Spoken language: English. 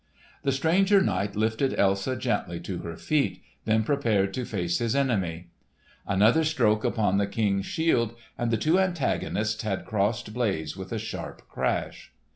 The stranger knight lifted Elsa gently to her feet, then prepared to face his enemy. Another stroke upon the King's shield, and the two antagonists had crossed blades with a sharp crash.